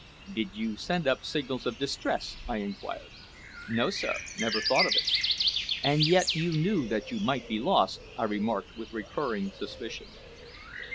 "Didn't you send up signals of distress?" I Inquired. "No, sir never thought of it." "And yet you knew that you might be lost?" I remarked with recurring suspicion.